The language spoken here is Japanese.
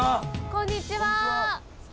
こんにちは。